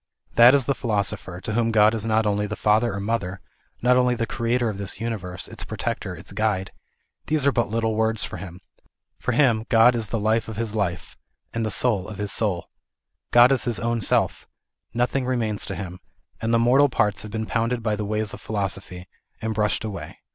That is the philosoper, to whom God is not only the Father or Mother, not only the Greater of this Uni verse, its Protector, its Guide ; these are but little words for him. For him God is the life of his life, and soul of his soul. God is his own Self. Nothing remains to him. All the mortal parts have been pounded by the ways of phi losophy, and brushed away.